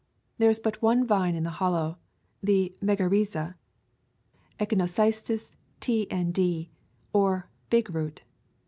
There is but one vine in the Hollow —the Megarrhiza [Echinocystis T. & D.] or "Big Root."